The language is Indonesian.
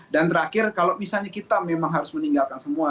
dan terakhir kalau misalnya kita memang harus meninggalkan semua